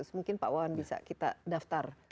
mungkin pak wawan bisa kita daftar